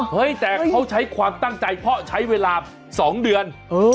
เฮ้ยแต่เขาใช้ความตั้งใจเพราะใช้เวลา๒เดือน